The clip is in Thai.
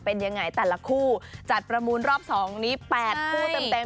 เป็นยังไงแต่ละคู่จัดประมูลรอบ๒นี้๘คู่เต็มเต็ม